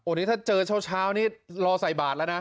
นี่ถ้าเจอเช้านี่รอใส่บาทแล้วนะ